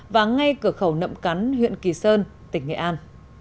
và ngay cửa khẩu nậm cắn huyện kỳ sơn tỉnh nghệ an